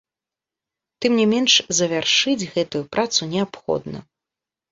Тым не менш завяршыць гэтую працу неабходна.